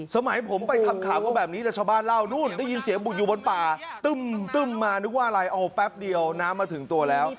สมัยผมไปทำข่าวก็แบบนี้แต่ชาวบ้านเล่านู่นได้ยินเสียงบุกอยู่บนป่าตึ้มมานึกว่าอะไรเอาแป๊บเดียวน้ำมาถึงตัวแล้ว